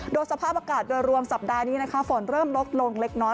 โดยสภาพอากาศโดยรวมสัปดาห์นี้นะคะฝนเริ่มลดลงเล็กน้อย